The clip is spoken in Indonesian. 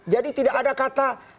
jadi tidak ada kata